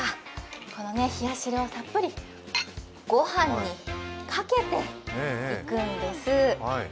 この冷や汁をたっぷりご飯にかけていくんです。